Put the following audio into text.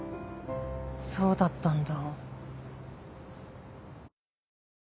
そうだったんだ。